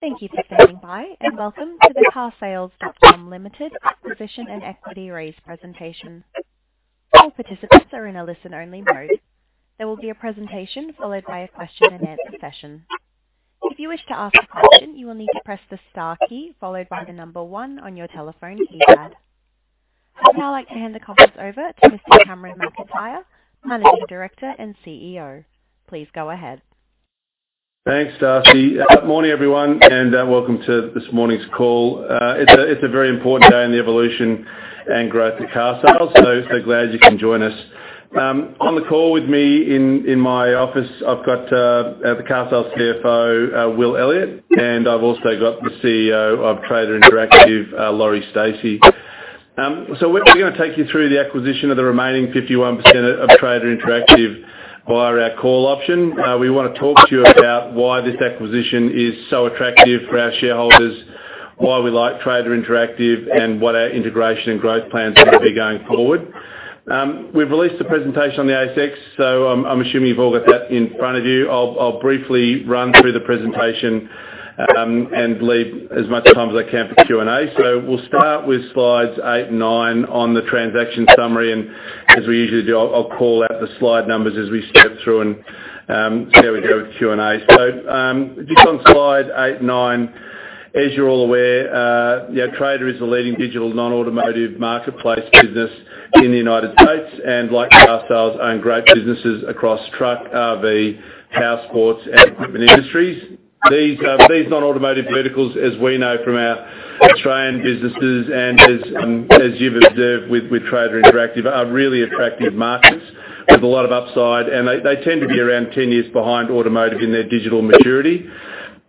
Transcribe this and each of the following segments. Thank you for standing by, and welcome to the Carsales.com Limited acquisition and equity raise presentation. All participants are in a listen-only mode. There will be a presentation followed by a question-and-answer session. If you wish to ask a question, you will need to press the star key followed by the number one on your telephone keypad. I'd now like to hand the conference over to Mr. Cameron McIntyre, Managing Director and CEO. Please go ahead. Thanks, Darcy. Morning, everyone, and welcome to this morning's call. It's a very important day in the evolution and growth of Carsales. Glad you can join us. On the call with me in my office, I've got the Carsales CFO, William Elliott, and I've also got the CEO of Trader Interactive, Lori Stacy. We're gonna take you through the acquisition of the remaining 51% of Trader Interactive via our call option. We wanna talk to you about why this acquisition is so attractive for our shareholders, why we like Trader Interactive, and what our integration and growth plans are gonna be going forward. We've released a presentation on the ASX. I'm assuming you've all got that in front of you. I'll briefly run through the presentation and leave as much time as I can for Q&A. We'll start with slides eight and nine on the transaction summary. As we usually do, I'll call out the slide numbers as we step through and see how we go with the Q&A. Just on slide eight and nine, as you're all aware, you know, Trader is a leading digital non-automotive marketplace business in the U.S. Like Carsales owns great businesses across truck, RV, powersports, and equipment industries. These non-automotive verticals, as we know from our Australian businesses and as you've observed with Trader Interactive, are really attractive markets with a lot of upside, and they tend to be around 10 years behind automotive in their digital maturity.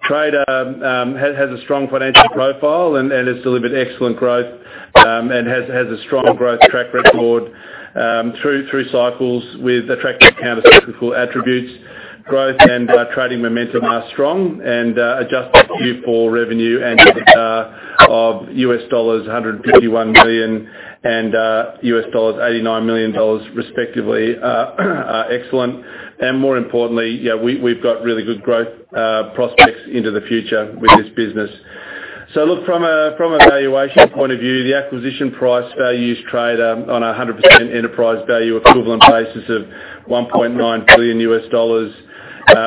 Trader has a strong financial profile and has delivered excellent growth and has a strong growth track record through cycles with attractive countercyclical attributes. Growth and trading momentum are strong and adjusted Q4 revenue and EBITDA of $151 million and $89 million respectively are excellent. More importantly, you know, we've got really good growth prospects into the future with this business. Look, from a valuation point of view, the acquisition price values Trader on a 100% enterprise value equivalent basis of $1.9 billion,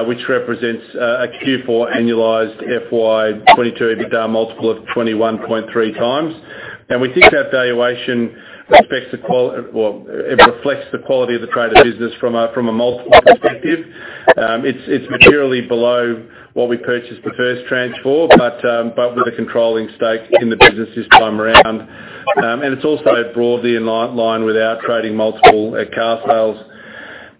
which represents a Q4 annualized FY 2022 EBITDA multiple of 21.3x. We think that valuation respects the qual- Well, it reflects the quality of the Trader business from a multiple perspective. It's materially below what we purchased the first tranche for, but with a controlling stake in the business this time around. It's also broadly in line with our trading multiple at Carsales.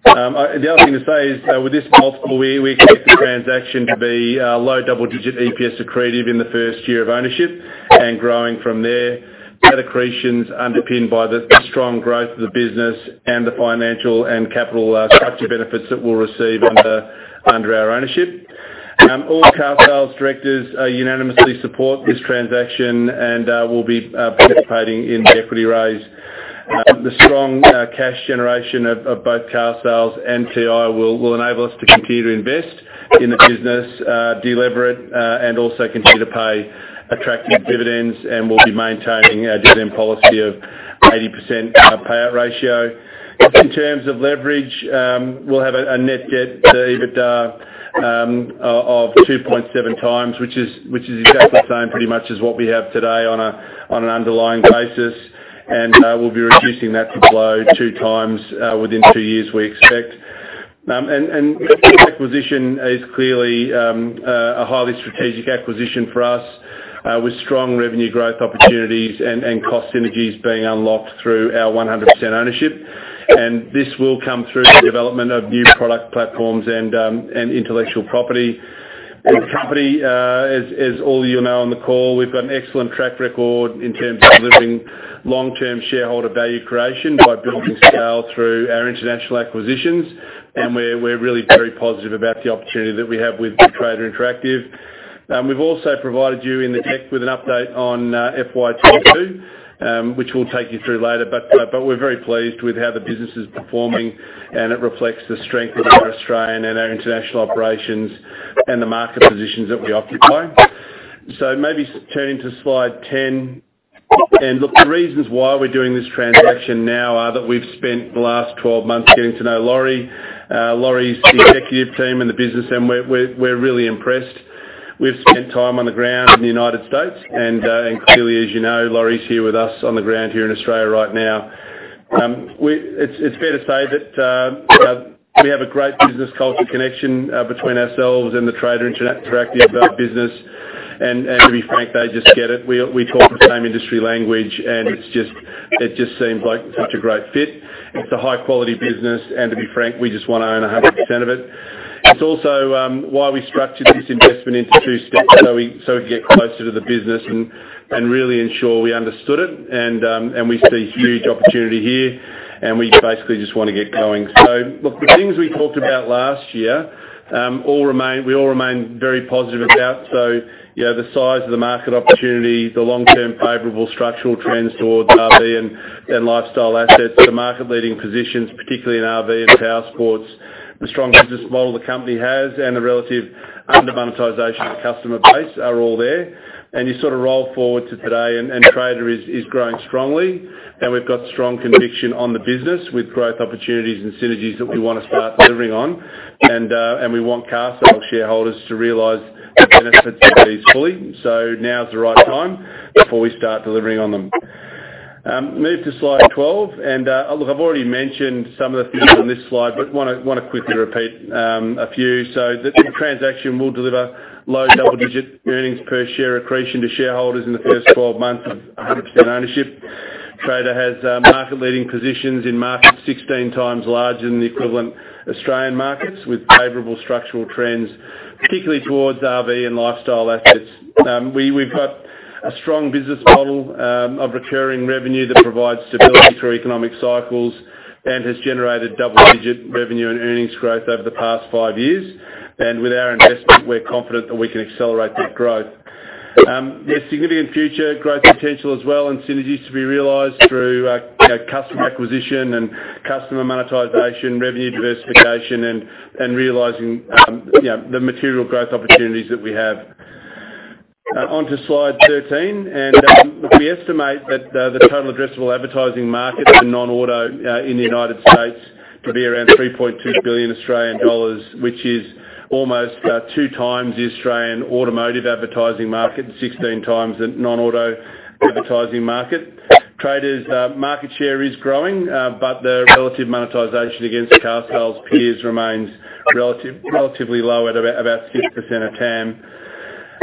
The other thing to say is, with this multiple we expect the transaction to be low double-digit EPS accretive in the first year of ownership and growing from there. That accretion's underpinned by the strong growth of the business and the financial and capital structure benefits that we'll receive under our ownership. All Carsales directors unanimously support this transaction and will be participating in the equity raise. The strong cash generation of both Carsales and TI will enable us to continue to invest in the business, delever it, and also continue to pay attractive dividends. We'll be maintaining our dividend policy of 80% payout ratio. In terms of leverage, we'll have a net debt-to-EBITDA of 2.7x, which is exactly the same pretty much as what we have today on an underlying basis. We'll be reducing that to below two times within two years, we expect. This acquisition is clearly a highly strategic acquisition for us, with strong revenue growth opportunities and cost synergies being unlocked through our 100% ownership. This will come through the development of new product platforms and intellectual property. As a company, as all you'll know on the call, we've got an excellent track record in terms of delivering long-term shareholder value creation by building scale through our international acquisitions, and we're really very positive about the opportunity that we have with Trader Interactive. We've also provided you in the deck with an update on FY 2022, which we'll take you through later, but we're very pleased with how the business is performing, and it reflects the strength of our Australian and our international operations and the market positions that we occupy. Maybe turning to slide 10. Look, the reasons why we're doing this transaction now are that we've spent the last 12 months getting to know Lori's executive team, and the business, and we're really impressed. We've spent time on the ground in the U.S. And clearly, as you know, Lori's here with us on the ground here in Australia right now. It's fair to say that we have a great business culture connection between ourselves and the Trader Interactive business. To be frank, they just get it. We talk the same industry language, and it just seems like such a great fit. It's a high-quality business, and to be frank, we just wanna own 100% of it. It's also why we structured this investment into two steps, so we get closer to the business and really ensure we understood it. We see huge opportunity here, and we basically just wanna get going. Look, the things we talked about last year, we all remain very positive about. You know, the size of the market opportunity, the long-term favorable structural trends towards RV and lifestyle assets, the market-leading positions, particularly in RV and powersports, the strong business model the company has and the relative under-monetization of customer base are all there. You sort of roll forward to today and Trader is growing strongly. We've got strong conviction on the business with growth opportunities and synergies that we wanna start delivering on. We want Carsales shareholders to realize the benefits of these fully. Now is the right time before we start delivering on them. Move to slide 12. Look, I've already mentioned some of the things on this slide, but wanna quickly repeat a few. The transaction will deliver low double-digit earnings per share accretion to shareholders in the first 12 months of 100% ownership. Trader has market-leading positions in markets 16x larger than the equivalent Australian markets, with favorable structural trends, particularly towards RV and lifestyle assets. We've got a strong business model of recurring revenue that provides stability through economic cycles and has generated double-digit revenue and earnings growth over the past five years. With our investment, we're confident that we can accelerate that growth. There's significant future growth potential as well, and synergies to be realized through, you know, customer acquisition and customer monetization, revenue diversification, and realizing, you know, the material growth opportunities that we have. Onto slide 13. Look, we estimate that the total addressable advertising market in non-auto in the U.S. To be around 3.2 billion Australian dollars, which is almost two times the Australian automotive advertising market and 16x the non-auto advertising market. Trader's market share is growing, but the relative monetization against Carsales' peers remains relatively low at about 60% of TAM.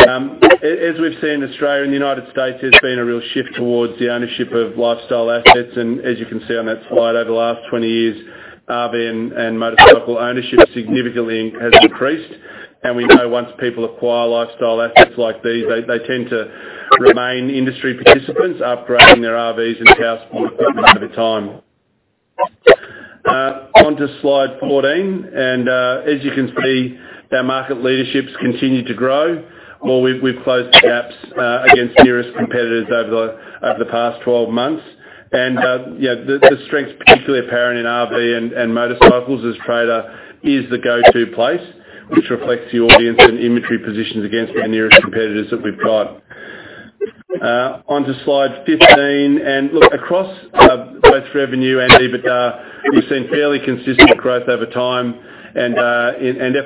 As we've seen, Australia and the U.S., there's been a real shift towards the ownership of lifestyle assets. As you can see on that slide, over the last 20 years, RV and motorcycle ownership significantly has increased. We know once people acquire lifestyle assets like these, they tend to remain industry participants, upgrading their RVs and powersport equipment over time. Onto slide 14. As you can see, our market leadership's continued to grow, or we've closed the gaps against nearest competitors over the past 12 months. You know, the strength's particularly apparent in RV and motorcycles as Trader is the go-to place, which reflects the audience and inventory positions against our nearest competitors that we've got. Onto slide 15. Look, across both revenue and EBITDA, we've seen fairly consistent growth over time. In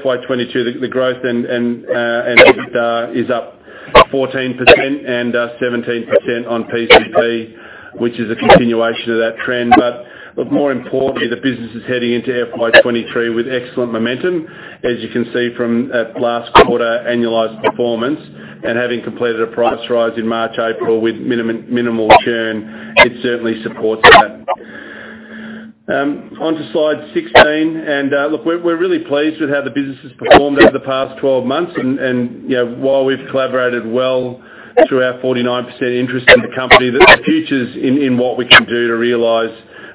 FY22, the growth and EBITDA is up 14% and 17% on PCP, which is a continuation of that trend. More importantly, the business is heading into FY23 with excellent momentum, as you can see from that last quarter annualized performance. Having completed a price rise in March, April with minimal churn, it certainly supports that. Onto slide 16. Look, we're really pleased with how the business has performed over the past 12 months. You know, while we've collaborated well through our 49% interest in the company, the future's in what we can do to realize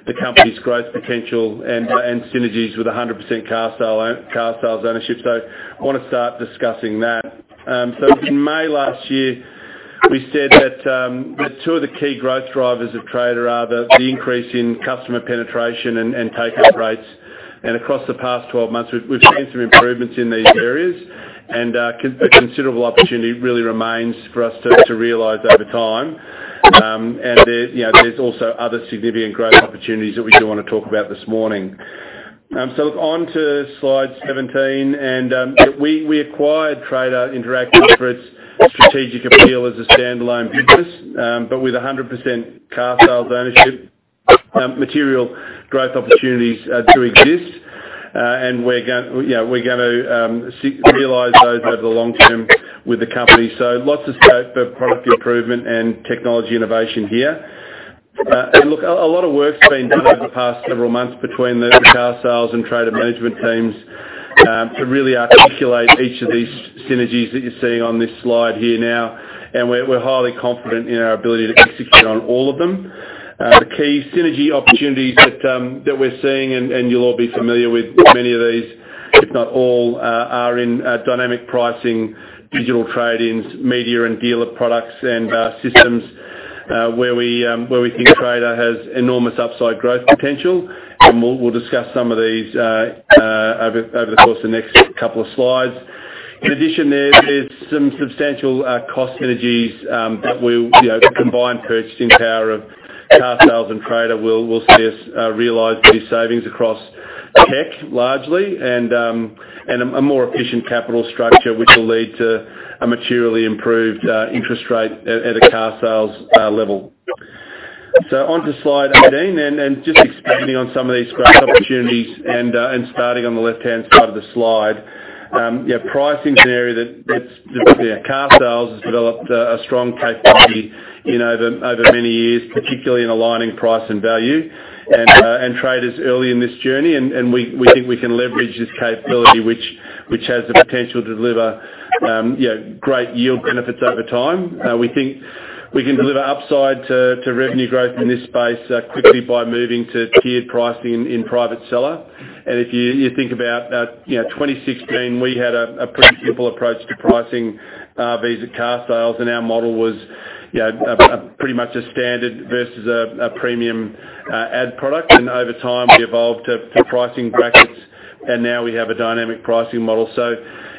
the company's growth potential and synergies with 100% Carsales ownership. I wanna start discussing that. In May last year, we said that two of the key growth drivers of Trader are the increase in customer penetration and take-up rates. Across the past 12 months, we've seen some improvements in these areas, and a considerable opportunity really remains for us to realize over time. There's, you know, there's also other significant growth opportunities that we do wanna talk about this morning. Look, onto slide 17. Look, we acquired Trader Interactive for its strategic appeal as a standalone business. With 100% Carsales ownership, material growth opportunities do exist. You know, we're gonna realize those over the long term with the company. Lots of scope for product improvement and technology innovation here. Look, a lot of work's been done over the past several months between the Carsales and Trader management teams to really articulate each of these synergies that you're seeing on this slide here now. We're highly confident in our ability to execute on all of them. The key synergy opportunities that we're seeing, and you'll all be familiar with many of these, if not all, are in dynamic pricing, digital trade-ins, media and dealer products, and systems, where we think Trader has enormous upside growth potential. We'll discuss some of these over the course of the next couple of slides. In addition, there's some substantial cost synergies that we'll, you know, the combined purchasing power of Carsales and Trader will see us realize these savings across tech largely, and a more efficient capital structure, which will lead to a materially improved interest rate at a Carsales level. Onto slide 18, just expanding on some of these growth opportunities and starting on the left-hand side of the slide. You know, pricing's an area that's Carsales has developed a strong capability in over many years, particularly in aligning price and value. Trader's early in this journey, and we think we can leverage this capability which has the potential to deliver you know, great yield benefits over time. We think we can deliver upside to revenue growth in this space quickly by moving to tiered pricing in private seller. If you think about 2016, we had a pretty simple approach to pricing via Carsales, and our model was, you know, a pretty much a standard versus a premium ad product. Over time, we evolved to pricing brackets, and now we have a dynamic pricing model.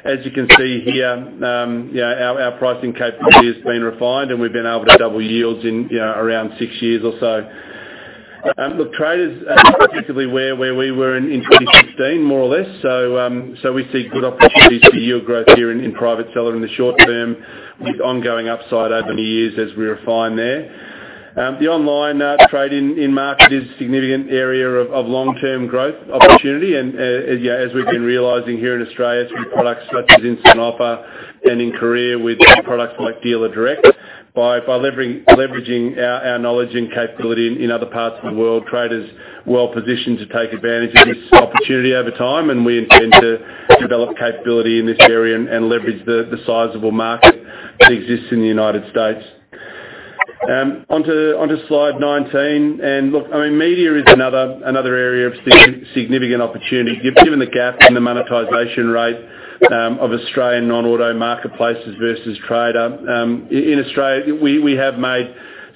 As you can see here, you know, our pricing capability has been refined, and we've been able to double yields in, you know, around six years or so. Look, Trader is effectively where we were in 2016, more or less. We see good opportunities for yield growth here in private seller in the short term, with ongoing upside over the years as we refine there. The online trade-in market is a significant area of long-term growth opportunity. Yeah, as we've been realizing here in Australia through products such as Instant Offer and Encar with products like Dealer Direct. By leveraging our knowledge and capability in other parts of the world, Trader is well positioned to take advantage of this opportunity over time, and we intend to develop capability in this area and leverage the sizable market that exists in the U.S. Onto slide 19. Look, I mean, media is another area of significant opportunity. Given the gap in the monetization rate of Australian non-auto marketplaces versus Trader. In Australia, we have made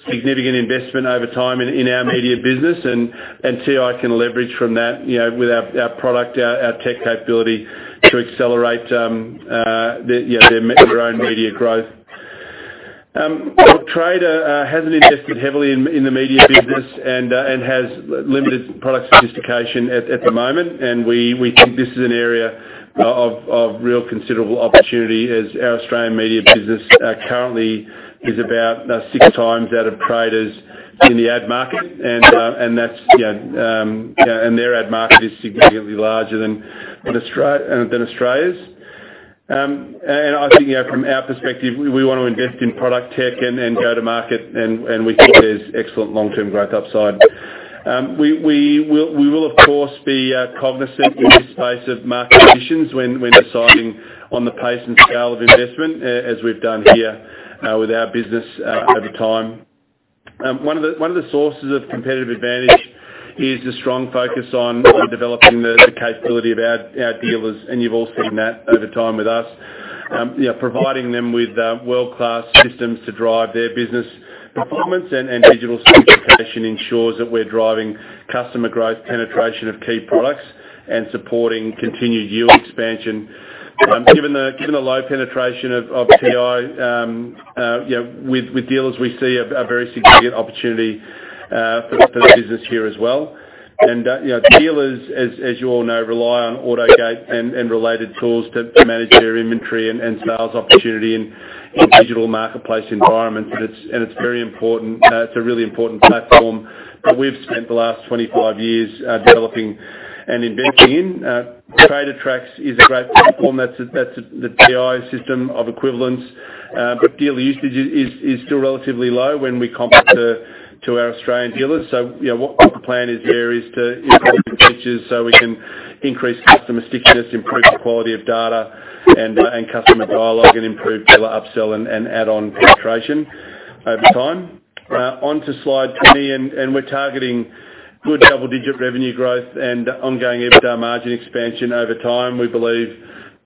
significant investment over time in our media business and TI can leverage from that, you know, with our product, our tech capability to accelerate their own media growth. Trader hasn't invested heavily in the media business and has limited product sophistication at the moment. We think this is an area of real considerable opportunity as our Australian media business currently is about six times out of Traders in the ad market. That's, you know, and their ad market is significantly larger than in Australia's. I think, you know, from our perspective, we wanna invest in product tech and go to market, and we think there's excellent long-term growth upside. We will of course be cognizant in this space of market conditions when deciding on the pace and scale of investment, as we've done here with our business over time. One of the sources of competitive advantage is the strong focus on developing the capability of our dealers, and you've all seen that over time with us. You know, providing them with world-class systems to drive their business performance and digital sophistication ensures that we're driving customer growth, penetration of key products and supporting continued yield expansion. Given the low penetration of TI, you know, with dealers, we see a very significant opportunity for the business here as well. You know, dealers, as you all know, rely on AutoGate and related tools to manage their inventory and sales opportunity in digital marketplace environments. It's very important. It's a really important platform that we've spent the last 25 years developing and investing in. TraderTrax is a great platform. That's the TI system of equivalence. But dealer usage is still relatively low when we compare to our Australian dealers. You know, what the plan is there is to invest in features so we can increase customer stickiness, improve the quality of data and customer dialogue, and improve dealer upsell and add-on penetration over time. Onto slide 20. We're targeting good double-digit revenue growth and ongoing EBITDA margin expansion over time. We believe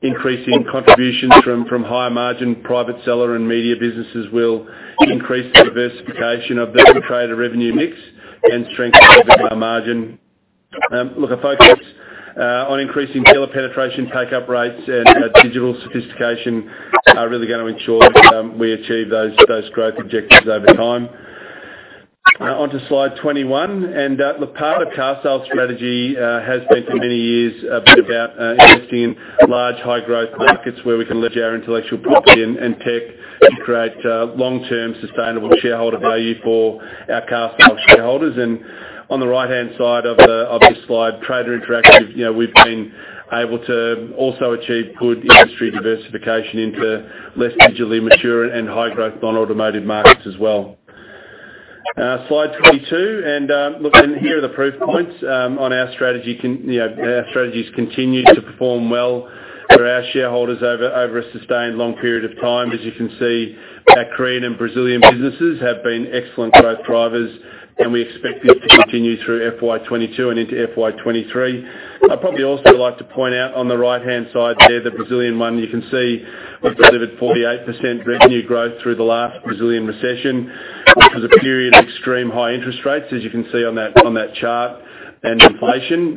increasing contributions from higher margin private seller and media businesses will increase the diversification of the Trader revenue mix and strengthen our EBITDA margin. Look, a focus on increasing dealer penetration, take-up rates and digital sophistication are really gonna ensure that we achieve those growth objectives over time. Onto slide 21. Look, part of Carsales strategy has been for many years been about investing in large high growth markets where we can leverage our intellectual property and tech to create long-term sustainable shareholder value for our Carsales shareholders. On the right-hand side of this slide, Trader Interactive, you know, we've been able to also achieve good industry diversification into less digitally mature and high growth non-automotive markets as well. Slide 22. Look, here are the proof points on our strategy, you know, our strategies continue to perform well for our shareholders over a sustained long period of time. As you can see, our Korean and Brazilian businesses have been excellent growth drivers, and we expect this to continue through FY22 and into FY23. I'd probably also like to point out on the right-hand side there, the Brazilian one, you can see we've delivered 48% revenue growth through the last Brazilian recession, which was a period of extreme high interest rates, as you can see on that chart, and inflation.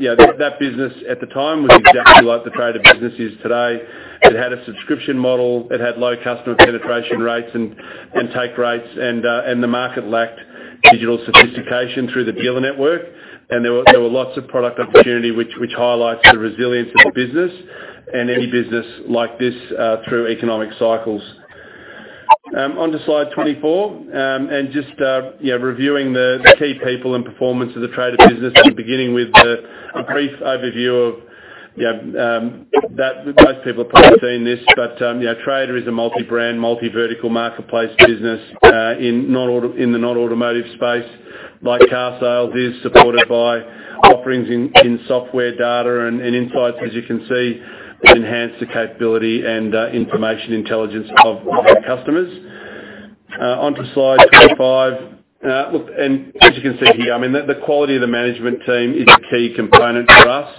You know, that business at the time was exactly like the Trader business is today. It had a subscription model. It had low customer penetration rates and take rates and the market lacked digital sophistication through the dealer network. There were lots of product opportunity which highlights the resilience of the business and any business like this through economic cycles. Onto slide 24. Just you know, reviewing the key people and performance of the Trader business and beginning with the brief overview of you know, that most people have probably seen this, but you know, Trader is a multi-brand, multi-vertical marketplace business in the not automotive space, like Carsales is supported by offerings in software data and insights, as you can see, that enhance the capability and information intelligence of our customers. Onto slide 25. Look, as you can see here, I mean, the quality of the management team is a key component for us,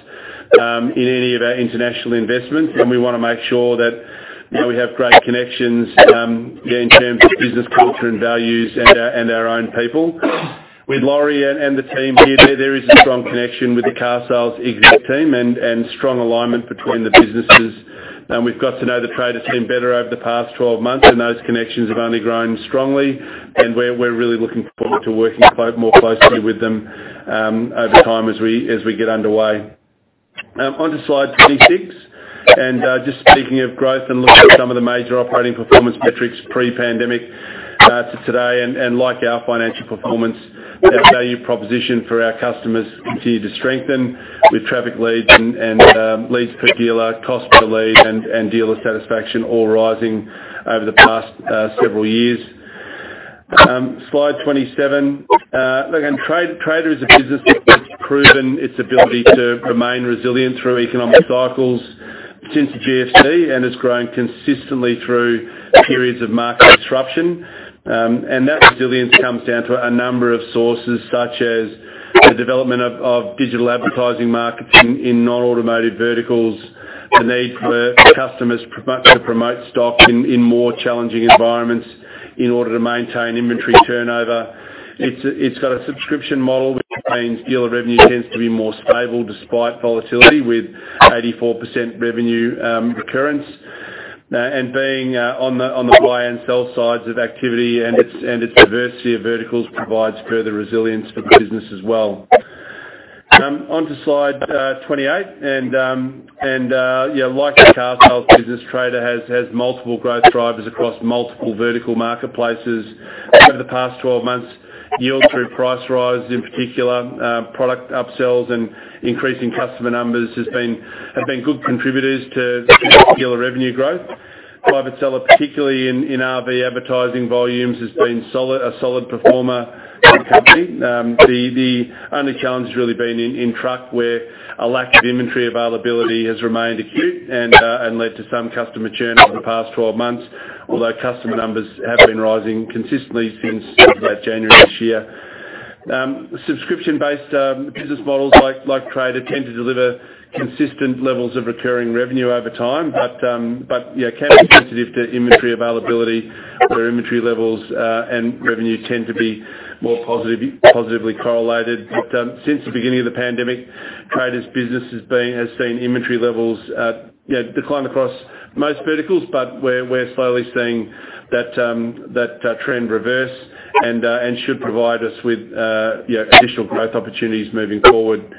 in any of our international investments. We wanna make sure that, you know, we have great connections, again, in terms of business culture and values and our own people. With Lori and the team here, there is a strong connection with the Carsales exec team and strong alignment between the businesses. We've got to know the Trader team better over the past 12 months, and those connections have only grown strongly. We're really looking forward to working more closely with them, over time as we get underway. Onto slide 26. Just speaking of growth and looking at some of the major operating performance metrics pre-pandemic to today, like our financial performance, our value proposition for our customers continued to strengthen with traffic leads and leads per dealer, cost per lead, and dealer satisfaction all rising over the past several years. Slide 27. Look, Trader is a business that has proven its ability to remain resilient through economic cycles since the GFC, and it's grown consistently through periods of market disruption. That resilience comes down to a number of sources, such as the development of digital advertising marketing in non-automotive verticals, the need for customers to promote stock in more challenging environments in order to maintain inventory turnover. It's got a subscription model, which means dealer revenue tends to be more stable despite volatility with 84% revenue recurrence. Being on the buy and sell sides of activity and its diversity of verticals provides further resilience for the business as well. Onto slide 28. You know, like the Carsales business, Trader has multiple growth drivers across multiple vertical marketplaces. Over the past 12 months, yield through price rise, in particular, product upsells and increasing customer numbers have been good contributors to dealer revenue growth. Private seller, particularly in RV advertising volumes, has been solid, a solid performer for the company. The only challenge has really been in truck, where a lack of inventory availability has remained acute and led to some customer churn over the past 12 months, although customer numbers have been rising consistently since about January this year. Subscription-based business models like Trader tend to deliver consistent levels of recurring revenue over time, but you know, can be sensitive to inventory availability, where inventory levels and revenue tend to be more positively correlated. Since the beginning of the pandemic, Trader's business has seen inventory levels you know, decline across most verticals, but we're slowly seeing that trend reverse and should provide us with you know, additional growth opportunities moving forward.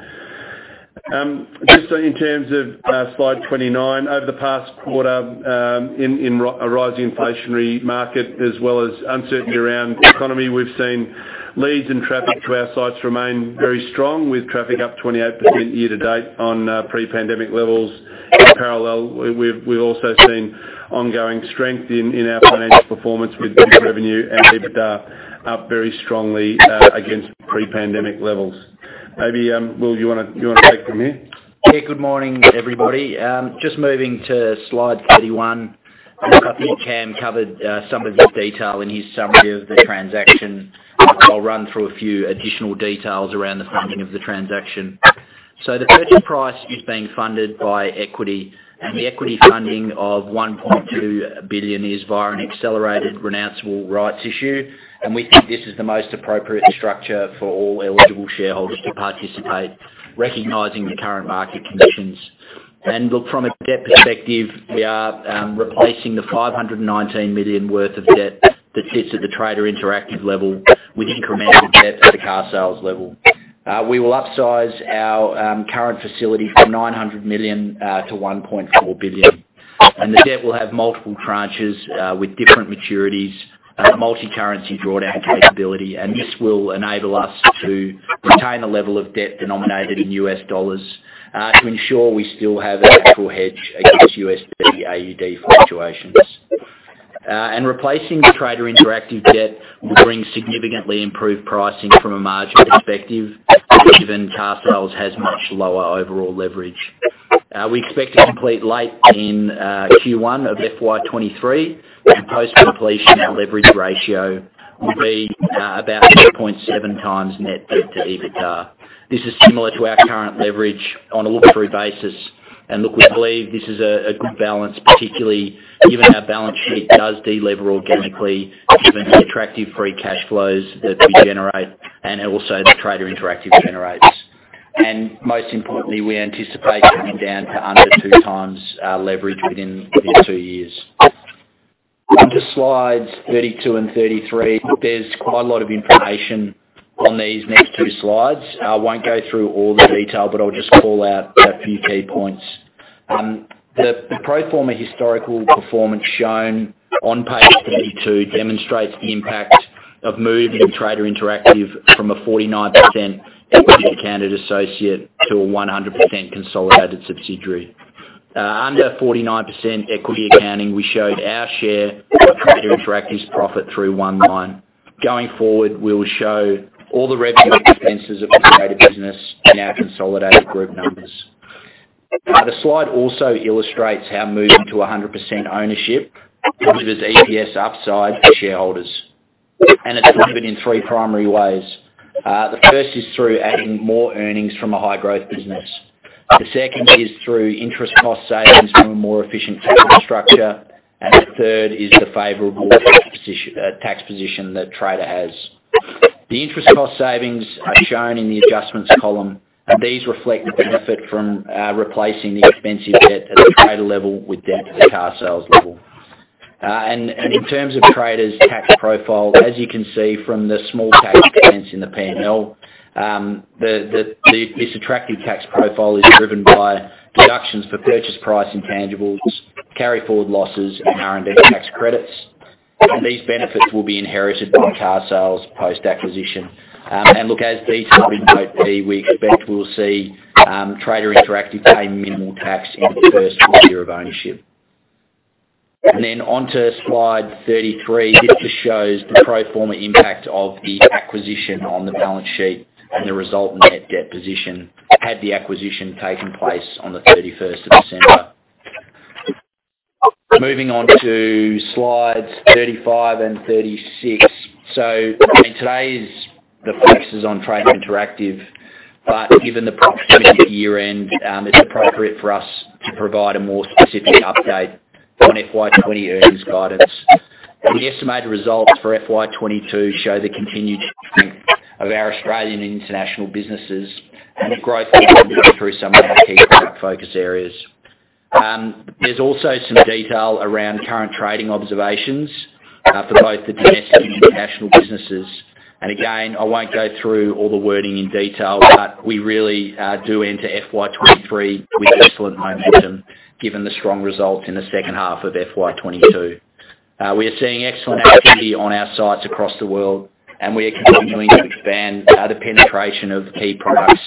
Just in terms of slide 29, over the past quarter, in a rising inflationary market as well as uncertainty around the economy, we've seen leads and traffic to our sites remain very strong, with traffic up 28% year to date on pre-pandemic levels. In parallel, we've also seen ongoing strength in our financial performance with revenue and EBITDA up very strongly against pre-pandemic levels. Maybe, Will, you wanna take from here? Yeah, good morning, everybody. Just moving to slide 31. Look, I think Cam covered some of this detail in his summary of the transaction. I'll run through a few additional details around the funding of the transaction. The purchase price is being funded by equity. The equity funding of $1.2 billion is via an accelerated renounceable rights issue, and we think this is the most appropriate structure for all eligible shareholders to participate, recognizing the current market conditions. Look, from a debt perspective, we are replacing the $519 million worth of debt that sits at the Trader Interactive level with incremental debt at the Carsales level. We will upsize our current facility from $900 million-$1.4 billion. The debt will have multiple tranches with different maturities, multi-currency drawdown capability. This will enable us to retain a level of debt denominated in U.S. dollars, to ensure we still have a natural hedge against USD/AUD fluctuations. Replacing the Trader Interactive debt will bring significantly improved pricing from a margin perspective, given Carsales has much lower overall leverage. We expect to complete late in Q1 of FY23, and post-completion, our leverage ratio will be about 8.7x net debt-to-EBITDA. This is similar to our current leverage on a look-through basis. Look, we believe this is a good balance, particularly given our balance sheet does delever organically, given the attractive free cash flows that we generate and also that Trader Interactive generates. Most importantly, we anticipate coming down to under 2x leverage within two years. Onto slides 32 and 33. There's quite a lot of information on these next two slides. I won't go through all the detail, but I'll just call out a few key points. The pro forma historical performance shown on page 32 demonstrates the impact of moving Trader Interactive from a 49% equity accounted associate to a 100% consolidated subsidiary. Under 49% equity accounting, we showed our share of Trader Interactive's profit through one line. Going forward, we'll show all the revenue expenses of the Trader business in our consolidated group numbers. The slide also illustrates how moving to 100% ownership delivers EPS upside to shareholders, and it's delivered in three primary ways. The first is through adding more earnings from a high growth business. The second is through interest cost savings from a more efficient capital structure. The third is the favorable tax position that Trader has. The interest cost savings are shown in the adjustments column, and these reflect the benefit from replacing the expensive debt at the Trader level with debt at the Carsales level. In terms of Trader's tax profile, as you can see from the small tax expense in the P&L, this attractive tax profile is driven by deductions for purchase price intangibles, carry forward losses, and R&D tax credits. These benefits will be inherited by Carsales post-acquisition. As detailed in note B, we expect we'll see Trader Interactive pay minimal tax in the first full year of ownership. Then on to slide 33. This just shows the pro forma impact of the acquisition on the balance sheet and the resulting net debt position had the acquisition taken place on the 31st of December. Moving on to slides 35 and 36. I mean, the focus is on Trader Interactive, but given the proximity to year-end, it's appropriate for us to provide a more specific update on FY22 earnings guidance. The estimated results for FY22 show the continued strength of our Australian and international businesses and the growth contributed through some of our key product focus areas. There's also some detail around current trading observations for both the domestic and international businesses. Again, I won't go through all the wording in detail, but we really do enter FY23 with excellent momentum given the strong results in the second half of FY22. We are seeing excellent activity on our sites across the world, and we are continuing to expand the penetration of key products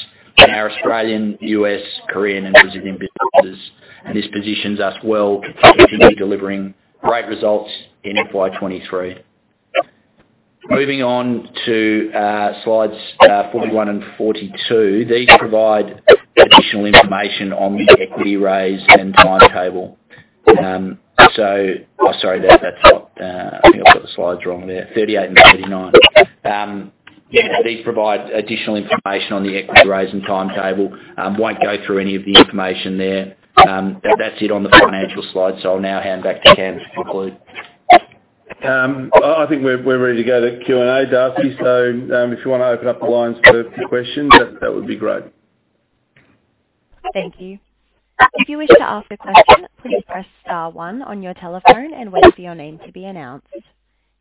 in our Australian, US, Korean, and Brazilian businesses. This positions us well to continue delivering great results in FY23. Moving on to slides 41 and 42. These provide additional information on the equity raise and timetable. Oh, sorry, that's not. I think I've got the slides wrong there. 38 and 39. These provide additional information on the equity raise and timetable. Won't go through any of the information there. That's it on the financial slides. I'll now hand back to Cam to conclude. I think we're ready to go to Q&A, Darcy. If you wanna open up the lines for questions, that would be great. Thank you. If you wish to ask a question, please press star one on your telephone and wait for your name to be announced.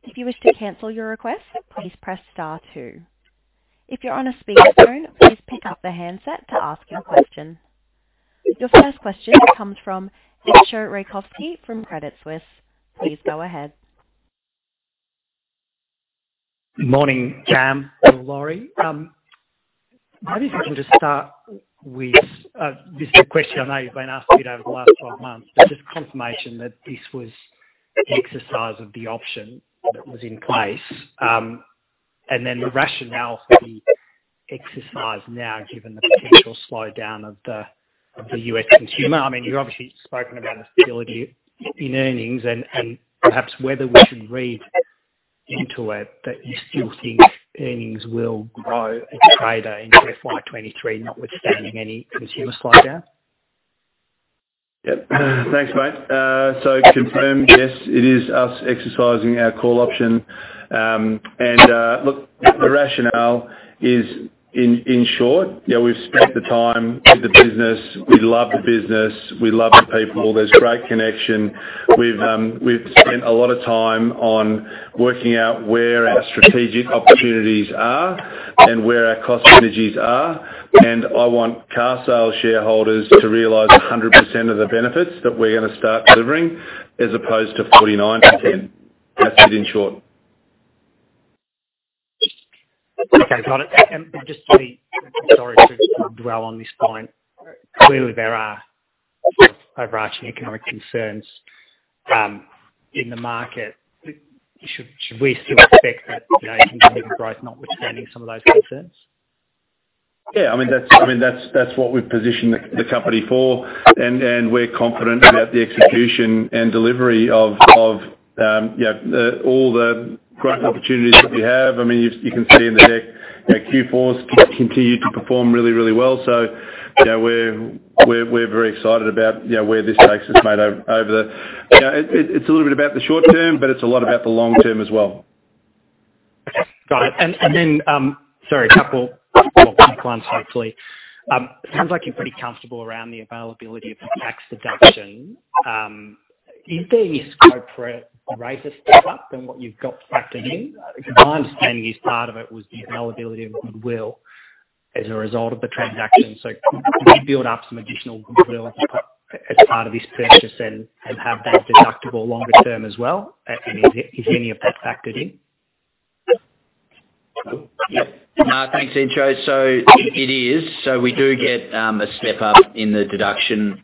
If you wish to cancel your request, please press star two. If you're on a speakerphone, please pick up the handset to ask your question. Your first question comes from Sheri Reykofski from Credit Suisse. Please go ahead. Morning, Cam and Lori. Maybe if I can just start with, this is a question I know you've been asked a bit over the last 12 months, but just confirmation that this was the exercise of the option that was in place. The rationale for the exercise now, given the potential slowdown of the U.S. consumer. I mean, you've obviously spoken about the stability in earnings and perhaps whether we should read into it that you still think earnings will grow at Trader into FY 2023, notwithstanding any consumer slowdown. Yep. Thanks, mate. So to confirm, yes, it is us exercising our call option. Look, the rationale is in short, you know, we've spent the time with the business. We love the business. We love the people. There's great connection. We've spent a lot of time on working out where our strategic opportunities are and where our cost synergies are. I want Carsales shareholders to realize 100% of the benefits that we're gonna start delivering as opposed to 49%. That's it in short. Okay. Got it. Sorry to sort of dwell on this point. Clearly there are overarching economic concerns in the market. Should we still expect that you can deliver growth notwithstanding some of those concerns? Yeah. I mean, that's what we've positioned the company for. We're confident about the execution and delivery of you know, all the growth opportunities that we have. I mean, you can see in the deck that Q4's continued to perform really well. You know, we're very excited about you know, where this takes us over the. You know, it's a little bit about the short term, but it's a lot about the long term as well. Got it. Sorry, a couple, well, quick ones, hopefully. Sounds like you're pretty comfortable around the availability of the tax deduction. Is there any scope for a rate of step up than what you've got factored in? My understanding is part of it was the availability of goodwill as a result of the transaction. Could you build up some additional goodwill as part of this purchase and have that deductible longer term as well? Is any of that factored in? Yeah. No, thanks, Sheri. It is. We do get a step up in the deduction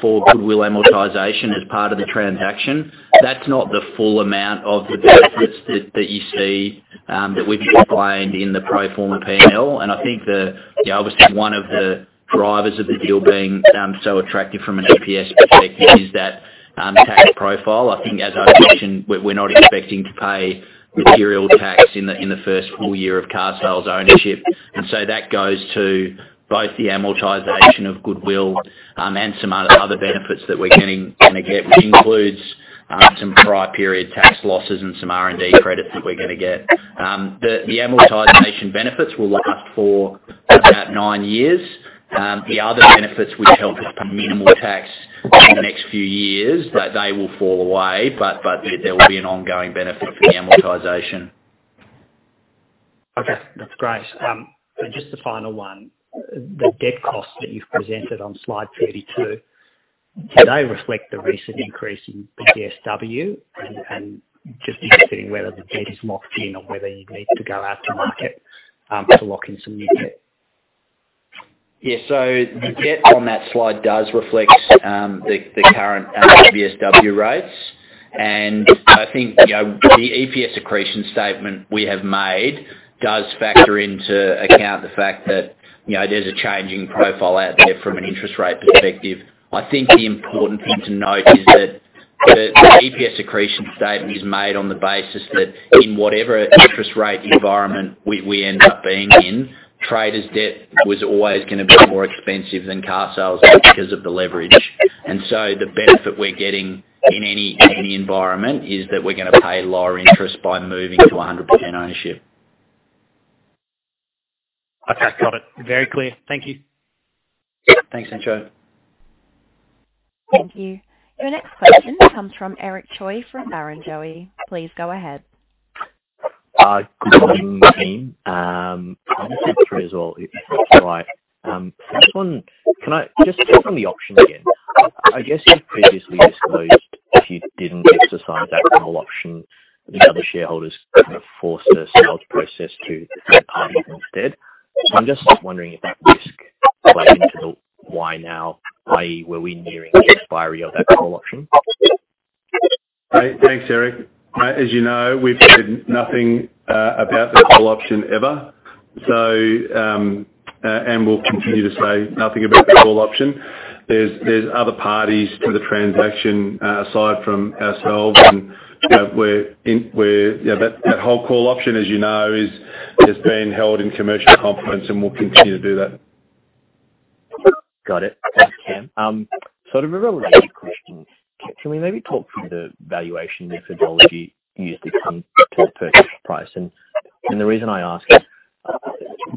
for goodwill amortization as part of the transaction. That's not the full amount of the benefits that you see that we've combined in the pro forma P&L. I think the, you know, obviously one of the drivers of the deal being so attractive from an EPS perspective is that tax profile. I think as I mentioned, we're not expecting to pay material tax in the first full year of Carsales ownership. That goes to both the amortization of goodwill and some other benefits that we're gonna get, which includes some prior period tax losses and some R&D credits that we're gonna get. The amortization benefits will last for about nine years. The other benefits which help with minimal tax in the next few years, they will fall away, but there will be an ongoing benefit for the amortization. Okay, that's great. Just the final one, the debt cost that you've presented on slide 32, do they reflect the recent increase in the BBSW and just interested in whether the debt is locked in or whether you'd need to go out to market to lock in some new debt? Yeah. The debt on that slide does reflect the current BBSW rates. I think, you know, the EPS accretion statement we have made does factor into account the fact that, you know, there's a changing profile out there from an interest rate perspective. I think the important thing to note is that the EPS accretion statement is made on the basis that in whatever interest rate environment we end up being in, Trader's debt was always gonna be more expensive than Carsales because of the leverage. The benefit we're getting in any environment is that we're gonna pay lower interest by moving to 100% ownership. Okay. Got it. Very clear. Thank you. Thanks, Sheri. Thank you. Your next question comes from Eric Choi from Barrenjoey. Please go ahead. Good morning, team. Just on the option again, I guess you previously disclosed if you didn't exercise that call option, the other shareholders kind of forced a sales process to other parties instead. I'm just wondering if that risk played into the why now, i.e., were we nearing the expiry of that call option? Thanks, Eric. As you know, we've said nothing about the call option ever. We'll continue to say nothing about the call option. There's other parties to the transaction aside from ourselves and, you know, that whole call option, as you know, has been held in commercial confidence, and we'll continue to do that. Got it. Thanks, Cam. Sort of a related question. Can we maybe talk through the valuation methodology used to come to the purchase price? The reason I ask is,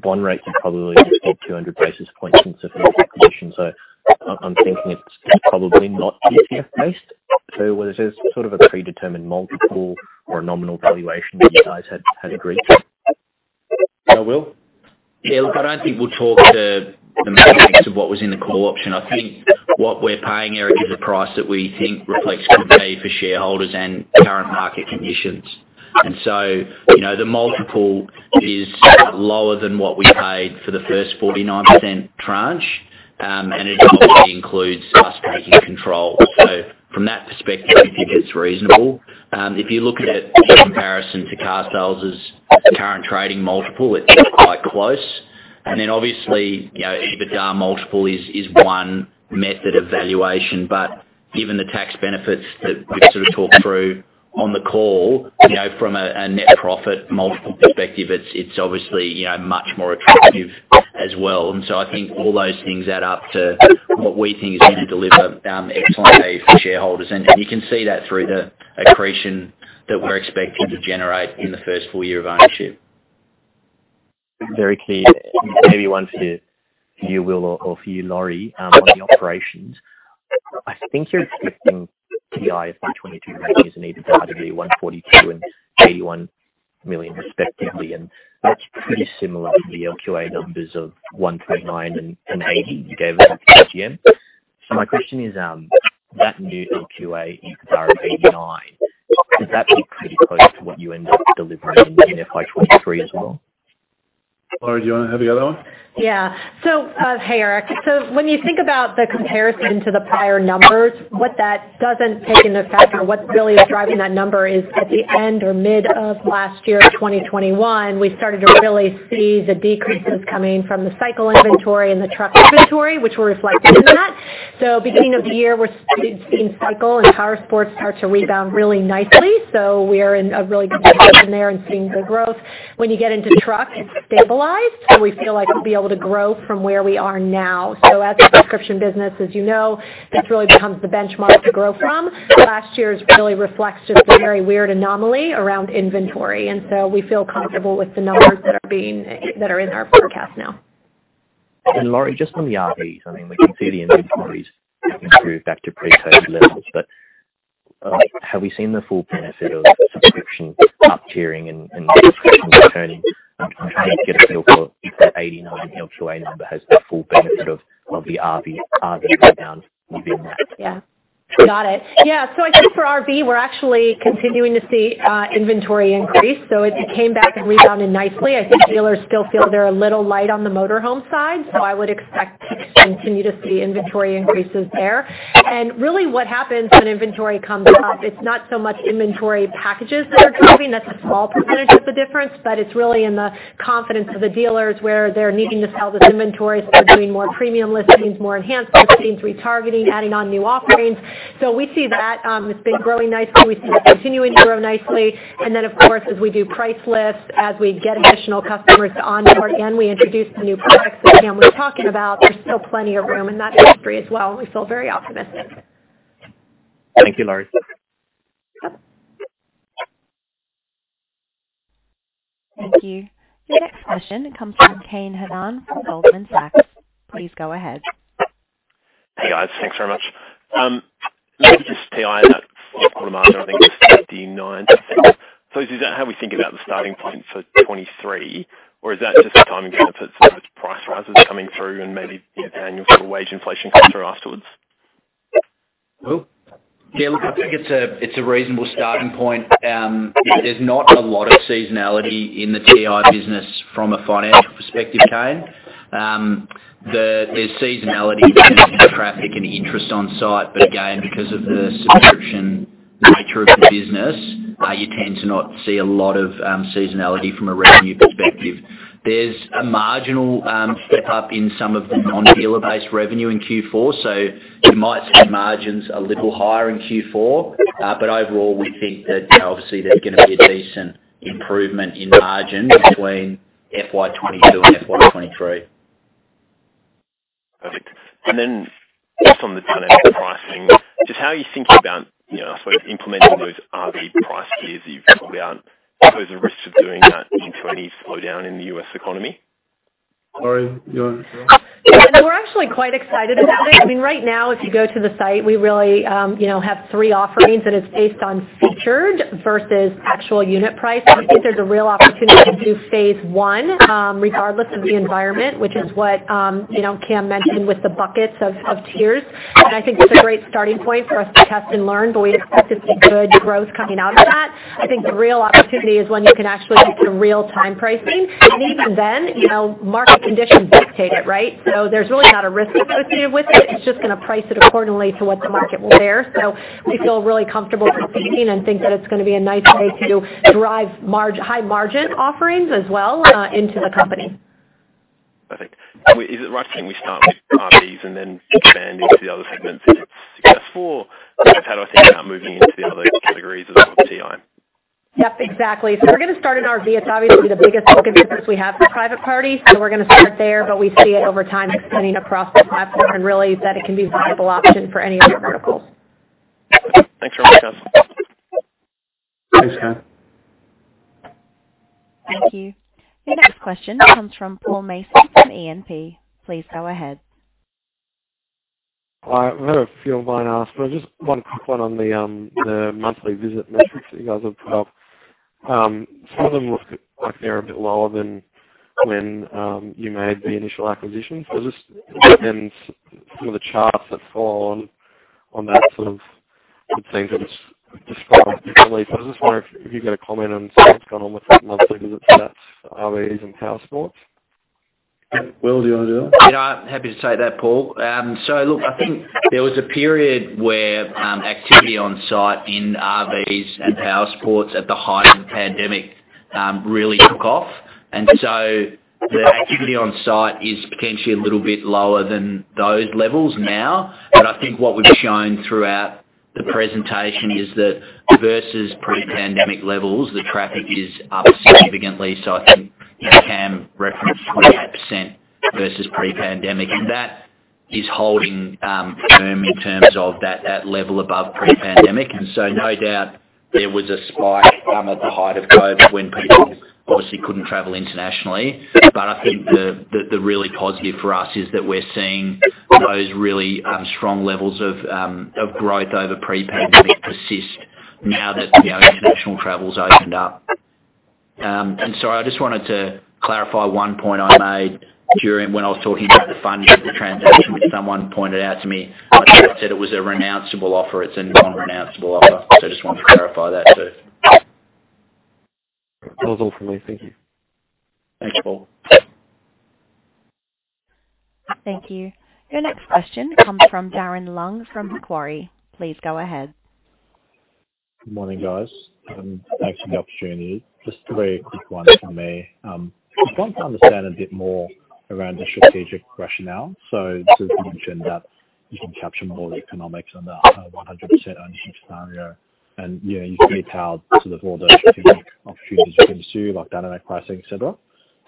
bond rates have probably just hit 200 basis points since the first acquisition, so I'm thinking it's probably not DCF based. Was this sort of a predetermined multiple or a nominal valuation that you guys had agreed to? Will? Yeah. Look, I don't think we'll talk to the merits of what was in the call option. I think what we're paying Encar is a price that we think reflects good value for shareholders and current market conditions. You know, the multiple is lower than what we paid for the first 49% tranche, and it obviously includes us taking control. From that perspective, we think it's reasonable. If you look at it in comparison to Carsales' current trading multiple, it's quite close. Obviously, you know, EBITDA multiple is one method of valuation. Given the tax benefits that we've sort of talked through on the call, you know, from a net profit multiple perspective, it's obviously, you know, much more attractive as well. I think all those things add up to what we think is gonna deliver excellent pay for shareholders. You can see that through the accretion that we're expecting to generate in the first full year of ownership. Very clear. Maybe one for you, Will, or for you, Lori, on the operations. I think you're expecting TI FY22 ranges and EBITDA to be $142 and 31 million respectively, and that's pretty similar to the LQA numbers of $129 and $80 you gave us at AGM. My question is, that new LQA EBITDA of $89, could that be pretty close to what you end up delivering in FY 2023 as well? Lori, do you wanna have the other one? Hey, Eric. When you think about the comparison to the prior numbers, what that doesn't take into account, what really is driving that number is at the end or mid of last year, 2021, we started to really see the decreases coming from the cycle inventory and the truck inventory, which were reflected in that. Beginning of the year, we've seen cycle and powersports start to rebound really nicely, so we're in a really good position there and seeing good growth. When you get into truck, it's stabilized, so we feel like we'll be able to grow from where we are now. As a subscription business, as you know, this really becomes the benchmark to grow from. Last year really reflects just a very weird anomaly around inventory, and so we feel comfortable with the numbers that are in our forecast now. Lori, just on the RVs, I mean, we can see the inventories have improved back to pre-COVID levels. Have we seen the full benefit of subscription up tiering and subscription returning? I'm trying to get a feel for if that 89 LQA number has the full benefit of the RV rebound within that. Yeah. Got it. Yeah. I think for RV, we're actually continuing to see inventory increase. It came back and rebounded nicely. I think dealers still feel they're a little light on the motor home side, so I would expect to continue to see inventory increases there. Really, what happens when inventory comes up, it's not so much inventory packages that are driving, that's a small percentage of the difference, but it's really in the confidence of the dealers where they're needing to sell this inventory, so they're doing more premium listings, more enhancements, retargeting, adding on new offerings. We see that has been growing nicely. We see that continuing to grow nicely. Then, of course, as we do price lists, as we get additional customers to onboard, again, we introduce the new products that Cam was talking about. There's still plenty of room in that industry as well, and we feel very optimistic. Thank you, Lori. Thank you. The next question comes from Kane Hannan from Goldman Sachs. Please go ahead. Hey, guys. Thanks very much. Maybe just TI in that fourth quarter margin, I think it was 59%. Is that how we think about the starting point for 2023? Or is that just a timing benefit of some of its price rises coming through and maybe the annual sort of wage inflation costs are afterwards? Will? Yeah, look, I think it's a reasonable starting point. There's not a lot of seasonality in the TI business from a financial perspective, Kane. There's seasonality in traffic and interest on site. But again, because of the subscription nature of the business, you tend to not see a lot of seasonality from a revenue perspective. There's a marginal step up in some of the non-dealer-based revenue in Q4, so you might see margins a little higher in Q4. But overall, we think that, you know, obviously there's gonna be a decent improvement in margin between FY22 and FY23. Perfect. Just on the dynamic pricing, just how are you thinking about, you know, sort of implementing those RV price tiers that you've talked about? I suppose the risks of doing that into any slowdown in the U.S. economy. Lori, you wanna take that? Yeah. We're actually quite excited about it. I mean, right now, if you go to the site, we really, you know, have three offerings, and it's based on featured versus actual unit price. I think there's a real opportunity to do phase I, regardless of the environment, which is what, you know, Cam mentioned with the buckets of tiers. I think it's a great starting point for us to test and learn, but we expect to see good growth coming out of that. I think the real opportunity is when you can actually get to real-time pricing. Even then, you know, market conditions dictate it, right? There's really not a risk associated with it. It's just gonna price it accordingly to what the market will bear. We feel really comfortable competing and think that it's gonna be a nice way to drive high margin offerings as well into the company. Perfect. Is it right saying we start with RVs and then expand into the other segments if it's successful? How do I think about moving into the other categories as well as TI? Yep, exactly. We're gonna start in RV. It's obviously the biggest book of business we have for private parties, so we're gonna start there. We see it over time extending across the platform, and really that it can be a viable option for any other verticals. Thanks for the details. Thanks, Kane. Thank you. The next question comes from Paul Mason from E&P. Please go ahead. Hi. We've had a few questions asked, but I just have one quick one on the monthly visit metrics that you guys have put up. Some of them look like they're a bit lower than when you made the initial acquisition. Some of the charts that follow on that sort of good things have just gone up differently. I was just wondering if you could comment on sort of what's gone on with that monthly visit stats, RVs and Powersports. Will, do you wanna do that? You know, happy to take that, Paul. So look, I think there was a period where activity on site in RVs and Powersports at the height of the pandemic really took off. The activity on site is potentially a little bit lower than those levels now. I think what we've shown throughout the presentation is that versus pre-pandemic levels, the traffic is up significantly. I think Cam referenced 28% versus pre-pandemic. That is holding firm in terms of that level above pre-pandemic. No doubt there was a spike at the height of COVID when people obviously couldn't travel internationally. I think the really positive for us is that we're seeing those really strong levels of growth over pre-pandemic persist now that, you know, international travel's opened up. Sorry, I just wanted to clarify one point I made when I was talking about the funding of the transaction, which someone pointed out to me. I said it was a renounceable offer. It's a non-renounceable offer. I just wanted to clarify that, so. That was all from me. Thank you. Thanks, Paul. Thank you. Your next question comes from Darren Leung from Macquarie. Please go ahead. Good morning, guys, and thanks for the opportunity. Just three quick ones from me. Just want to understand a bit more around the strategic rationale. You mentioned that you can capture more of the economics on the 100% ownership scenario, and, you know, you can be powered sort of all the strategic opportunities you can pursue, like dynamic pricing, et cetera.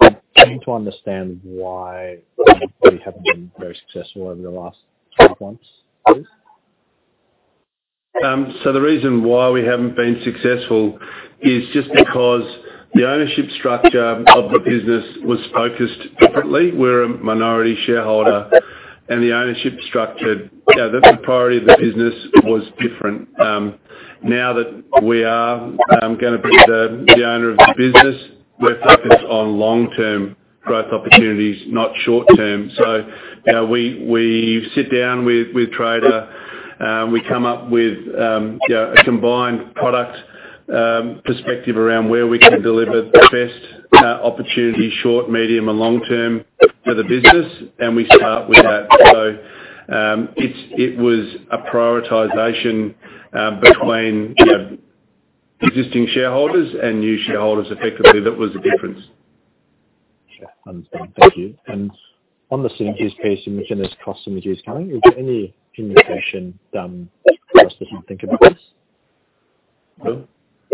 I'm struggling to understand why you probably haven't been very successful over the last 12 months, please. The reason why we haven't been successful is just because the ownership structure of the business was focused differently. We're a minority shareholder, and the ownership structure, you know, the priority of the business was different. Now that we are gonna be the owner of the business, we're focused on long-term growth opportunities, not short-term. You know, we sit down with Trader, we come up with, you know, a combined product perspective around where we can deliver the best opportunity short, medium, and long term for the business, and we start with that. It was a prioritization between, you know, existing shareholders and new shareholders, effectively that was the difference. Sure. Understand. Thank you. On the synergies piece, you mentioned there's cost synergies coming. Is there any indication for us to think about this? Will?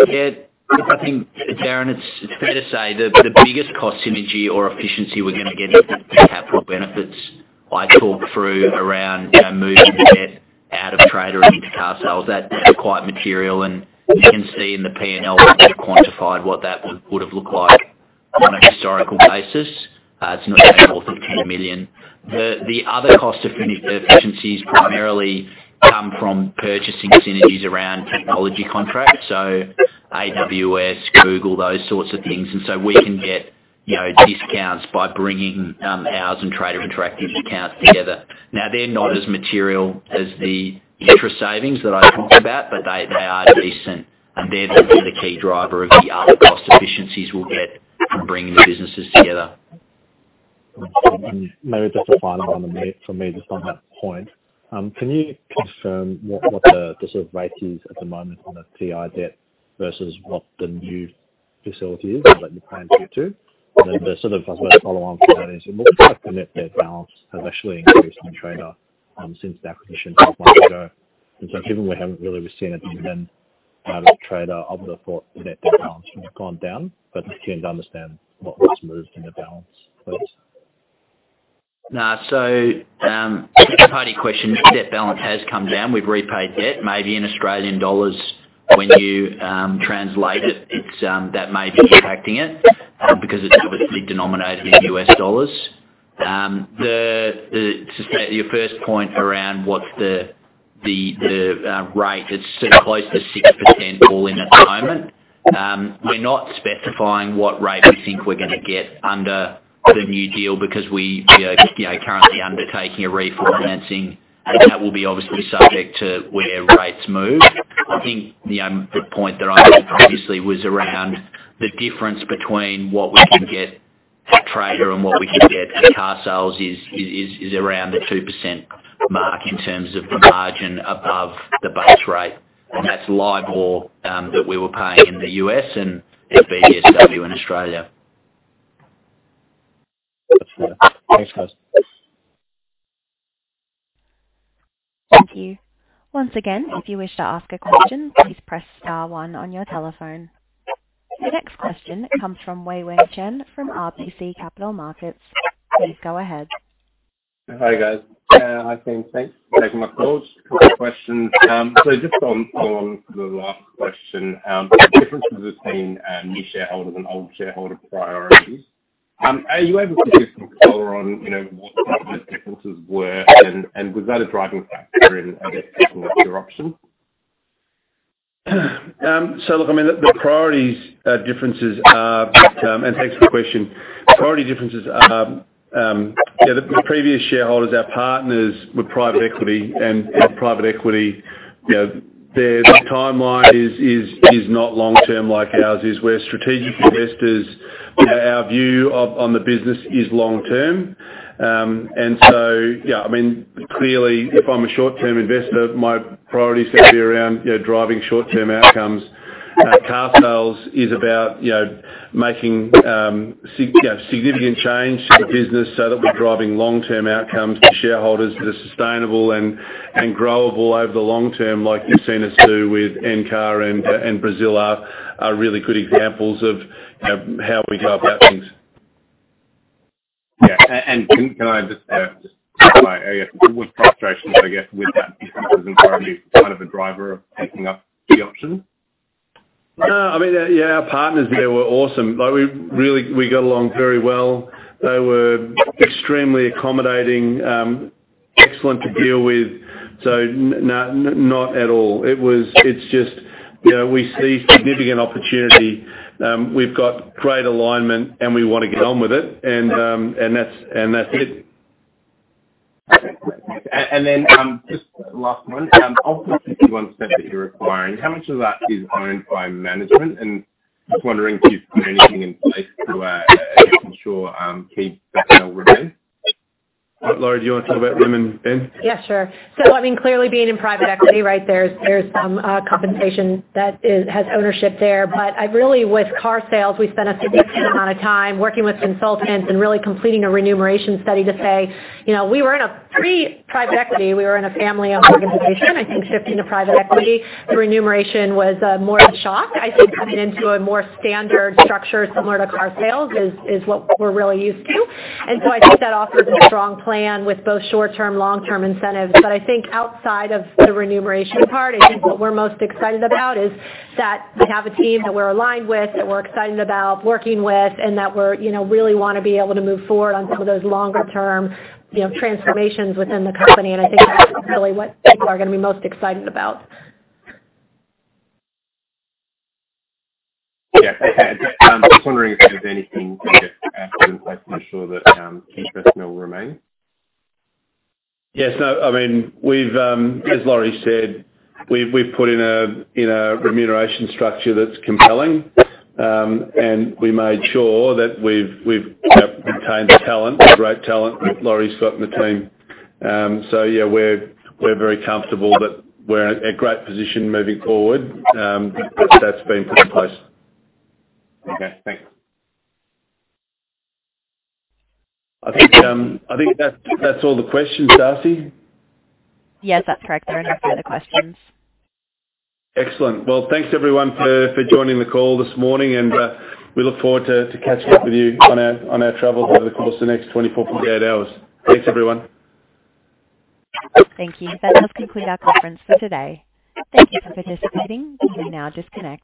Yeah. Look, I think, Darren, it's fair to say the biggest cost synergy or efficiency we're gonna get is the capital benefits I talked through around, you know, moving the debt out of Trader into Carsales. That's quite material, and you can see in the P&L that we've quantified what that would've looked like on a historical basis. It's in the region of 14 million. The other cost efficiencies primarily come from purchasing synergies around technology contracts, so AWS, Google, those sorts of things. We can get, you know, discounts by bringing ours and Trader Interactive accounts together. Now, they're not as material as the interest savings that I talked about, but they are decent, and they're the key driver of the other cost efficiencies we'll get from bringing the businesses together. Maybe just a final one from me just on that point. Can you confirm what the sort of rate is at the moment on the PIK debt versus what the new facility is or that you're planning to get to? Then the sort of, I suppose, follow on from that is it looks like the net debt balance has actually increased in Trader since the acquisition six months ago. So given we haven't really seen a dividend out of Trader, I would've thought the net debt balance would have gone down, but just keen to understand what's moved in the balance there. No. Two-part question. Debt balance has come down. We've repaid debt. Maybe in Australian dollars when you translate it's, that may be impacting it because it's obviously denominated in US dollars. To your first point around what's the rate, it's close to 6% all in at the moment. We're not specifying what rate we think we're gonna get under the new deal because we are, you know, currently undertaking a refinancing that will be obviously subject to where rates move. I think the point that I made previously was around the difference between what we can get at Trader and what we can get at Carsales is around the 2% mark in terms of the margin above the base rate, and that's LIBOR that we were paying in the U.S. and BBSW in Australia. That's clear. Thanks, guys. Thank you. Once again, if you wish to ask a question, please press star one on your telephone. The next question comes from Wei-Wei Chen from RBC Capital Markets. Please go ahead. Hi, guys. I think thanks for taking my calls. Couple of questions. Just on the last question, the differences between new shareholders and old shareholder priorities, are you able to give some color on, you know, what some of those differences were, and was that a driving factor in, I guess, picking up your option? Look, I mean, the priority differences are, and thanks for the question. Priority differences are, yeah, the previous shareholders, our partners, were private equity and private equity, you know, their timeline is not long-term like ours is. We're strategic investors. You know, our view on the business is long-term. Yeah, I mean, clearly, if I'm a short-term investor, my priorities have to be around, you know, driving short-term outcomes. Carsales is about, you know, making significant change to the business so that we're driving long-term outcomes for shareholders that are sustainable and growable over the long term like you've seen us do with Encar and Brazil are really good examples of, you know, how we go about things. Yeah. Can I just clarify? Were frustrations, I guess, with that business and priority kind of a driver of taking up the option? No. I mean, yeah, our partners there were awesome. Like, we really got along very well. They were extremely accommodating, excellent to deal with. No, not at all. It was. It's just, you know, we see significant opportunity. We've got great alignment, and we wanna get on with it, and that's it. Just last one. Of the 51% that you're acquiring, how much of that is owned by management? Just wondering if you've put anything in place to ensure key personnel remain. Lori, do you wanna talk about them, and Ben? Yeah, sure. I mean, clearly being in private equity, right? There's some compensation that has ownership there. I really, with Carsales, we spent a significant amount of time working with consultants and really completing a remuneration study to say, you know, we were in a pre-private equity. We were in a family organization. I think shifting to private equity, the remuneration was more of a shock. I think coming into a more standard structure similar to Carsales is what we're really used to. I think that offers a strong plan with both short-term, long-term incentives. I think outside of the remuneration part, I think what we're most excited about is that we have a team that we're aligned with, that we're excited about working with, and that we're, you know, really wanna be able to move forward on some of those longer term, you know, transformations within the company, and I think that's really what people are gonna be most excited about. Just wondering if there's anything that you have in place to ensure that key personnel remain? Yes. No, I mean, we've as Lori said, we've put in a remuneration structure that's compelling, and we made sure that we've you know retained the talent, great talent that Lori's got in the team. Yeah, we're very comfortable that we're in a great position moving forward. That's been put in place. Okay. Thanks. I think that's all the questions, Darcy. Yes, that's correct. There are no further questions. Excellent. Well, thanks everyone for joining the call this morning, and we look forward to catching up with you on our travels over the course of the next 24-48 hours. Thanks, everyone. Thank you. That does conclude our conference for today. Thank you for participating. You may now disconnect.